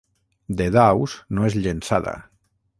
De daus no és llençada.